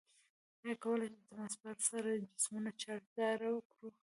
آیا کولی شو د تماس په اثر جسمونه چارج داره کړو؟